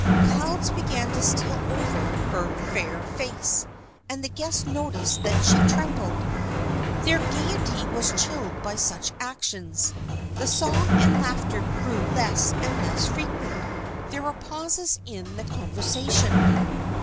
Clouds began to steal over her fair face, and the guests noticed that she trembled. Their gayety was chilled by such actions. The song and laughter grew less and less frequent. There were pauses in the conversation.